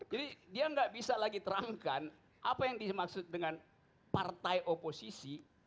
jadi dia tidak bisa lagi terangkan apa yang dimaksud dengan partai oposisi